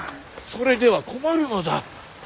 それでは困るのだ。